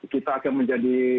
kita akan menjadi